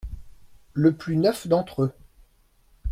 Le plus neuf d’entre eux.